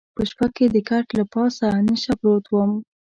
په شپه کې د کټ له پاسه نشه پروت وم.